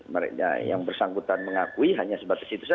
mereka yang bersangkutan mengakui hanya sebatas itu saja